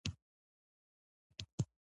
ارزښت لرونکي خلک ددې لپاره خوراک او څښاک کوي.